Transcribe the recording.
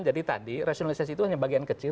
jadi tadi rasionalisasi itu hanya bagian kecil